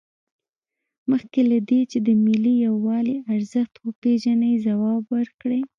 مخکې له دې چې د ملي یووالي ارزښت وپیژنئ ځواب ورکړئ.